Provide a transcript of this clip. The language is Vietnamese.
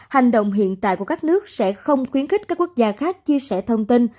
hành động hiện tại của các nước sẽ không khuyến khích các quốc gia khác chia sẻ thông tin